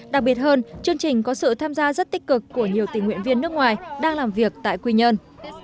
đặc biệt hơn chương trình có sự tham gia rất tích cực của nhiều tình nguyện viên nước ngoài đang làm việc tại quy nhơn